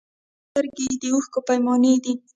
دواړي سترګي یې د اوښکو پیمانې دي